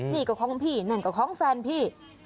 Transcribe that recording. นี่ก็ของพี่นั่นก็ของแฟนพี่